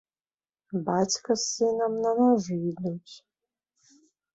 Бацька з сынам на нажы ідуць.